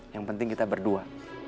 yang penting kita berdua